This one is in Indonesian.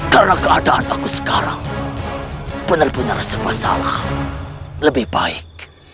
karena keadaan aku sekarang penerbunyian sepasalah lebih baik